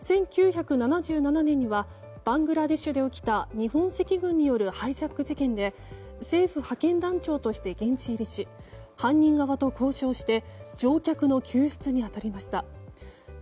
１９７７年にはバングラデシュで起きた日本赤軍によるハイジャック事件で政府派遣団長として現地入りし犯人側と交渉して乗客の救出に当たりました。